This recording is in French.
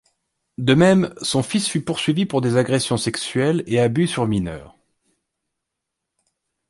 De même, son fils fut poursuivi pour des agressions sexuelles et abus sur mineurs.